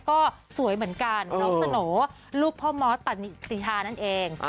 ก็สวยเหมือนกันน้องสโหน่ลูกพ่อมอสนิฮานั่นเอง